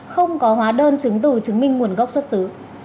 không có hóa đơn chứng từ chứng minh nguồn gốc xuất xứ